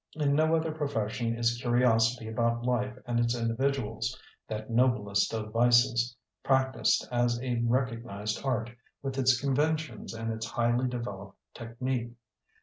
In no other pro fession is curiosity about life and its individuals — ^that noblest of vices — practised as a recognized art, with its conventions and its highly developed technique.